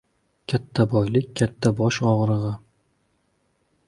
• Katta boylik ― katta bosh og‘rig‘i.